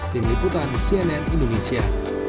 tim liputan cnn indonesia